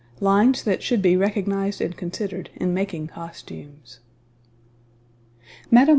LINES THAT SHOULD BE RECOGNIZED AND CONSIDERED IN MAKING COSTUMES. Mme.